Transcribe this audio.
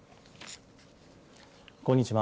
こんにちは。